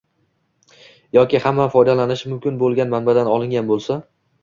yoki hamma foydalanishi mumkin bo‘lgan manbadan olingan bo‘lsa;